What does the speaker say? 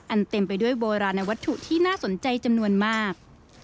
เต็มไปด้วยโบราณวัตถุที่น่าสนใจจำนวนมาก